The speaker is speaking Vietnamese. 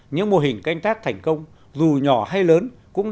những mô hình canh tác thành công dù nhỏ hay lớn cũng đang gieo niệm